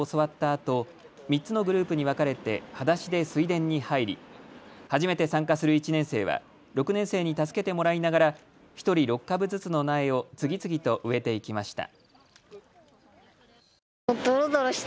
あと３つのグループに分かれてはだしで水田に入り、初めて参加する１年生は６年生に助けてもらいながら１人６株ずつの苗を次々と植えていきました。